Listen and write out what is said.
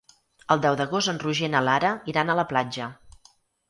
El deu d'agost en Roger i na Lara iran a la platja.